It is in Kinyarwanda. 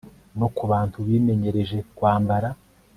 no ku bantu bimenyereje kwambara